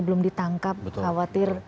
belum ditangkap khawatir